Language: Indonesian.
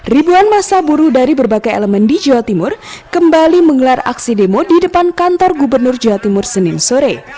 ribuan masa buruh dari berbagai elemen di jawa timur kembali menggelar aksi demo di depan kantor gubernur jawa timur senin sore